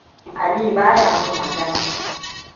Aliyu baya mun magana.